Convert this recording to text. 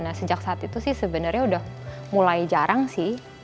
nah sejak saat itu sih sebenarnya udah mulai jarang sih